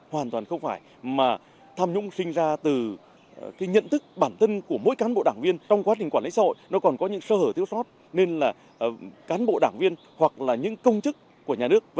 hoàn toàn đúng luận điệu xuyên tạp vô căn cứ